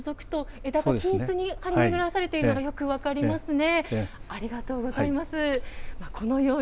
下からのぞくと枝が均一に張り巡らされているのが、よく分かりますね。